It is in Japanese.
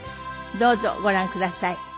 どうぞご覧ください。